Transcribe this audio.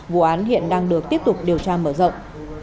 vụ án hiện đang được tiếp tục điều tra mở rộng